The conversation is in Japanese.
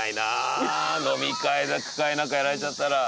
飲み会で句会なんかやられちゃったら。